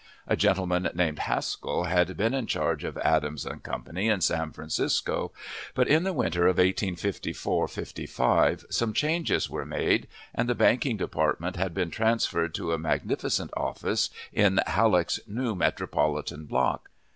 A gentleman named Haskell had been in charge of Adams & Co. in San Francisco, but in the winter of 1854 '55 some changes were made, and the banking department had been transferred to a magnificent office in Halleck's new Metropolitan Block.